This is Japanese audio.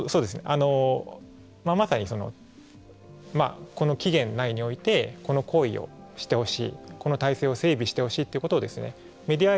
まさにこの期限内においてこの行為をしてほしいこの体制を整備してほしいということをメディア